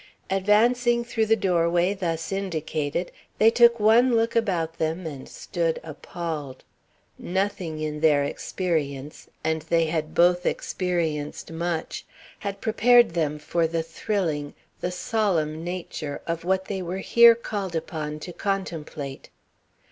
Advancing through the doorway thus indicated, they took one look about them and stood appalled. Nothing in their experience (and they had both experienced much) had prepared them for the thrilling, the solemn nature of what they were here called upon to contemplate.